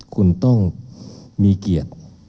คุณต้องมีเกียรติ